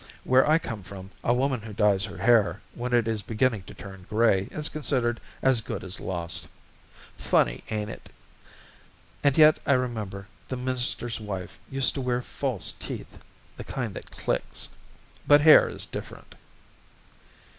Where I come from a woman who dyes her hair when it is beginning to turn gray is considered as good as lost. Funny, ain't it? And yet I remember the minister's wife used to wear false teeth the kind that clicks. But hair is different."